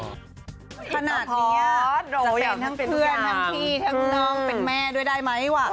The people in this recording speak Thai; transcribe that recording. ขนาดนี้เราเป็นทั้งเพื่อนทั้งพี่ทั้งน้องเป็นแม่ด้วยได้ไหมว่ะ